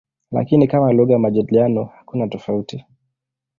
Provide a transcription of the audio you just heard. Lakini kama lugha ya majadiliano hakuna tofauti.